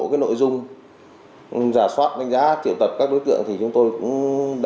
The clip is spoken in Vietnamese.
có đối tượng đối tượng đối tượng đối tượng